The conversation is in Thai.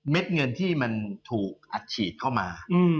เงินที่มันถูกอัดฉีดเข้ามา